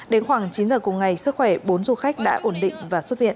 đến khoảng chín giờ cùng ngày sức khỏe bốn du khách đã ổn định và xuất viện